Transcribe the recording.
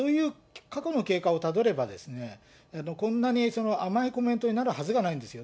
だからそういう過去の経過をたどれば、こんなに甘いコメントになるはずがないんですよ。